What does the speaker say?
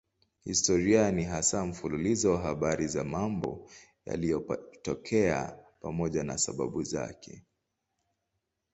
Historia ni hasa mfululizo wa habari za mambo yaliyotokea pamoja na sababu zake.